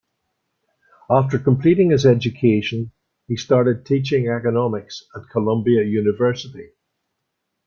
After completing his education, he started teaching economics at Columbia University.